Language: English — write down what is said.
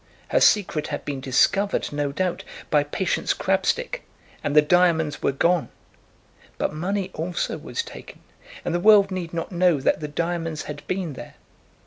Her secret had been discovered, no doubt, by Patience Crabstick, and the diamonds were gone. But money also was taken, and the world need not know that the diamonds had been there.